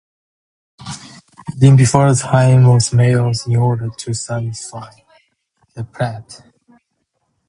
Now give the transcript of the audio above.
Eating before the "time" of meals in order to satisfy the palate.